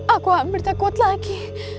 aku hampir takut lagi